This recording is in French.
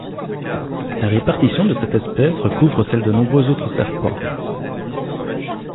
La répartition de cette espèce recouvre celle de nombreux autres serpents.